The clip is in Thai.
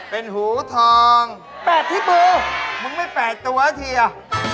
แปะที่มือมึงไม่แปะตัวทีอ่ะ